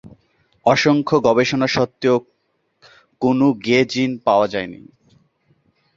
অসংখ্য গবেষণা সত্ত্বেও কোনো "গে জিন" পাওয়া যায়নি।